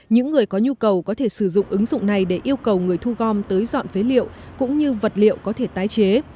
những người có nhu cầu có thể sử dụng ứng dụng này để yêu cầu người thu gom tới dọn phế liệu cũng như vật liệu có thể tái chế